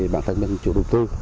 bản thân đang chịu đầu tư